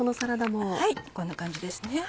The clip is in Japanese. はいこんな感じですね。